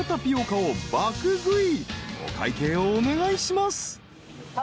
［お会計お願いします］